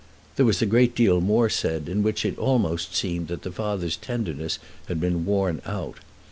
There was a great deal more said in which it almost seemed that the father's tenderness had been worn out.